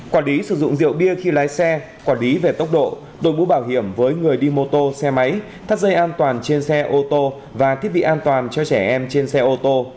quản lý sử dụng rượu bia khi lái xe quản lý về tốc độ đổi mũ bảo hiểm với người đi mô tô xe máy thắt dây an toàn trên xe ô tô và thiết bị an toàn cho trẻ em trên xe ô tô